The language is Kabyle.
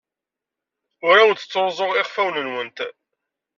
Ur awent-ttruẓuɣ iɣfawen-nwent.